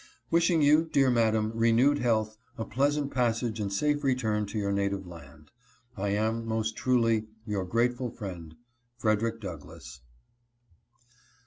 Wishing you, dear madam, renewed health, a pleasant passage and safe return to your native land, I am, most truly, your grateful friend, Frederick Douglass.